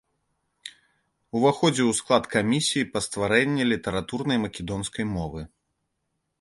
Уваходзіў у склад камісіі па стварэнні літаратурнай македонскай мовы.